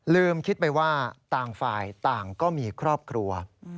ลืมคิดไปว่าต่างฝ่ายต่างก็มีครอบครัว